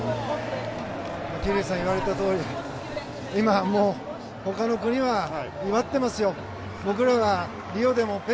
桐生さん言われたとおり今、もう他の国は祝ってますよ。